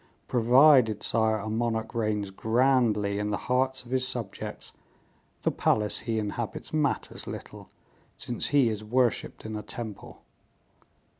"Provided, sire, a monarch reigns grandly in the hearts of his subjects, the palace he inhabits matters little, since he is worshipped in a temple."